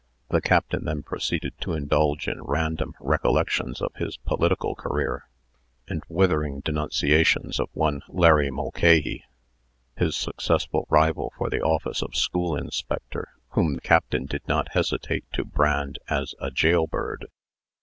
The Captain then proceeded to indulge in random recollections of his political career, and withering denunciations of one Larry Mulcahy, his successful rival for the office of School Inspector, whom the Captain did not hesitate to brand as a jailbird.